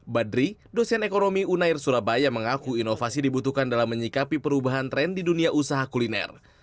badri dosen ekonomi unair surabaya mengaku inovasi dibutuhkan dalam menyikapi perubahan tren di dunia usaha kuliner